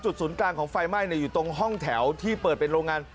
ศูนย์กลางของไฟไหม้อยู่ตรงห้องแถวที่เปิดเป็นโรงงาน